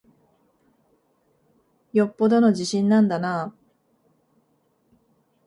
よっぽどの自信なんだなぁ。